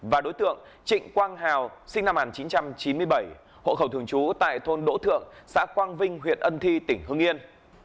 và đối tượng trịnh quang hào sinh năm một nghìn chín trăm chín mươi bảy hộ khẩu thường trú tại thôn đỗ thượng xã quang vinh huyện ân thi tỉnh hương yên